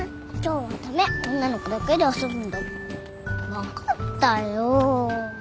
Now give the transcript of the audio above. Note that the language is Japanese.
分かったよ。